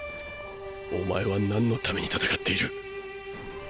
お前は何のために戦っている？